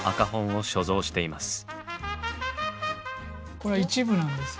これは一部なんですけど。